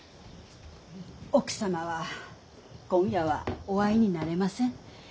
奥様は今夜はお会いになれません。